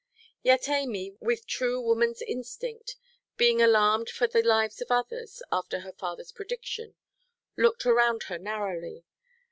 Yet Amy, with true womanʼs instinct, being alarmed for the lives of others, after her fatherʼs prediction, looked around her narrowly.